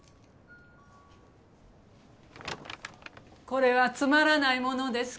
これはつまらないものですけど。